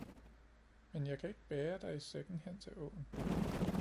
Men jeg kan ikke bære dig i sækken hen til åen.